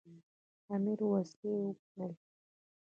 امیر وسلې ومنلې.